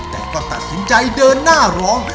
แต่ก็ตัดสินใจเดินหน้าร้อง